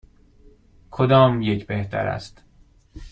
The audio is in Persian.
کدام یک بهتر است؟